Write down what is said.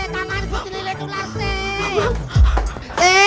tangan ku dililat ular si